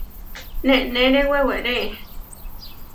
Neneré weweré.